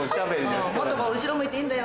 「もっと後ろ向いていいんだよ」